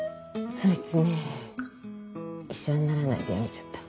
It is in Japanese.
そいつねぇ医者にならないでやめちゃった。